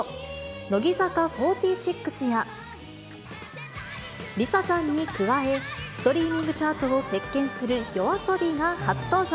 乃木坂４６や、ＬｉＳＡさんに加え、ストリーミングチャートを席けんするＹＯＡＳＯＢＩが初登場。